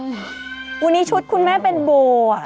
อันนี้ฉุดคุณแม่เป็นโบว์